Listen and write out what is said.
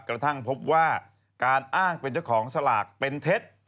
กระทั่งพบว่าการอ้างเป็นเจ้าของสลากเป็นเท็จ